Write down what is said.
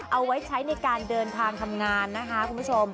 เอาไว้ใช้ในการเดินทางทำงานนะคะคุณผู้ชม